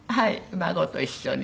孫と一緒に。